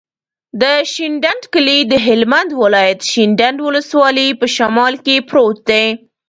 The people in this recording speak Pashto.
د شینډنډ کلی د هلمند ولایت، شینډنډ ولسوالي په شمال کې پروت دی.